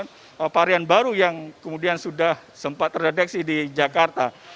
ada varian baru yang kemudian sudah sempat terdeteksi di jakarta